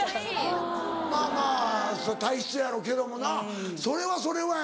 まぁまぁ体質やろうけどもなそれはそれはやなぁ。